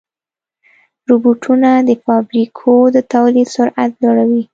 روبوټونه د فابریکو د تولید سرعت لوړوي.